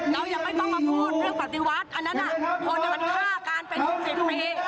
เราอย่าไม่ต้องมาพูดเรื่องปฏิวัติอันนั้นน่ะคนมันฆ่าการไปสิบปี